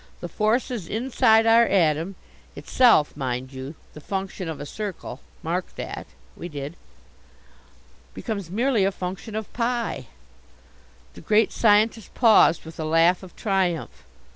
The forces inside our atom itself, mind you, the function of a circle mark that " We did. "Becomes merely a function of pi!" The Great Scientist paused with a laugh of triumph.